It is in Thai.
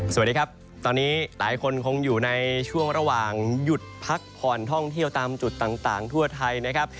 สวัสดีครับตอนนี้หลายคนคงอยู่ในช่วงระหว่างหยุดพักผ่อนท่องเที่ยวตามจุดต่างทั่วไทยนะครับ